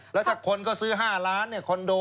แล้วถ้าคนก็ซื้อ๕ล้านคอนโด